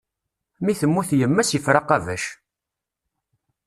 Mi temmut yemma-s, iffer aqabac!